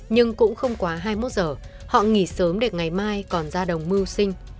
nhưng cũng không quá hai mươi một giờ họ nghỉ sớm để ngày mai còn ra đồng mưu sinh